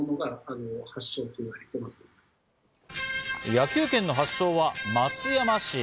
野球拳の発祥は松山市。